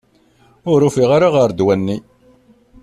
Ur ufiɣ ara ɣer ddwa-nni.